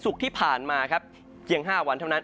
ศุกร์ที่ผ่านมาเกี่ยง๕วันเท่านั้น